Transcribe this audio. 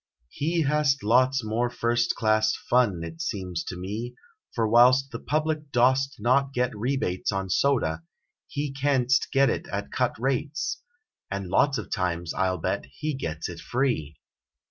He Hast lots more first class fun, it seems to me, For whilst the public dost not get rebates 33 On soda, he canst get it at cut rates, And lots of times, I 11 bet, he gets it free!